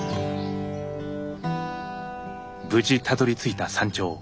無事たどりついた山頂。